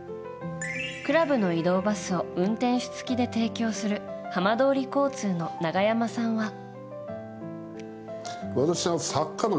クラブの移動バスを運転手付きで提供する浜通り交通の永山さんは。